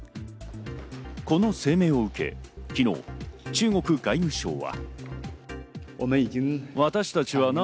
この声明を受け昨日、中国外務省は。